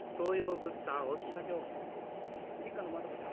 課長１課の雅子ちゃん